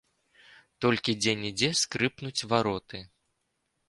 Толькі дзе-нідзе скрыпнуць вароты.